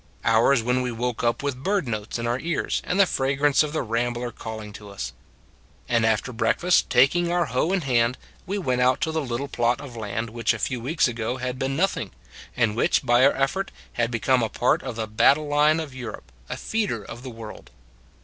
Hours when we woke up with bird notes in our ears and the fragrance of the ram bler calling to us. And after breakfast, taking our hoe in hand, we went out to the little plot of land which a few weeks ago had been nothing, and which by our effort had become a part of the battle line of Eu rope, a feeder of the world.